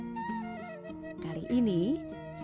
singgah es dari negara